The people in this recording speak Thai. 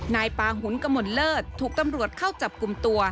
นายปาหุนกมลเลิศถูกตำรวจเข้าจับกลุ่มตัว